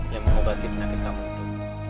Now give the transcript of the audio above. yang mengobati penyakit kamu itu